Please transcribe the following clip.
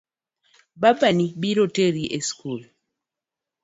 Babani biro teri e school .